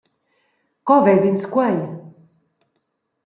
Co ves’ins quei?